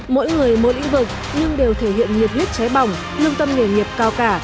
mỗi người mỗi lĩnh vực nhưng đều thể hiện nhiệt huyết cháy bỏng lương tâm nghề nghiệp cao cả